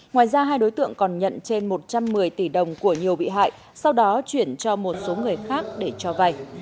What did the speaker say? ngoài ra hai đối tượng còn nhận trên một trăm một mươi tỷ đồng của nhiều bị hại sau đó chuyển cho một số người khác để cho vay